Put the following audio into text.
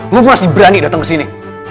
lo masih berani dateng kesini